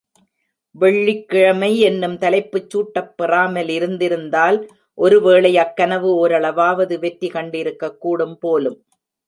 வெள்ளிக்கிழமை என்னும் தலைப்புச் சூட்டப் பெறாமலிருந்திருந்தால், ஒருவேளை அக்கனவு ஓரளவாவது வெற்றி கண்டிருக்கக் கூடும் போலும்!